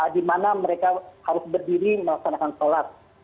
di mana mereka harus berdiri melaksanakan sholat